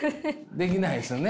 できないですよね？